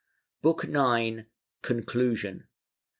BOOK IX. CONCLUSION.